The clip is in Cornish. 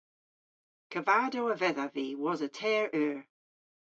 Kavadow a vedhav vy wosa teyr eur.